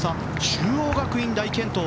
中央学院、大健闘。